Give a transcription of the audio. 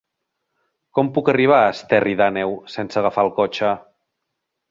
Com puc arribar a Esterri d'Àneu sense agafar el cotxe?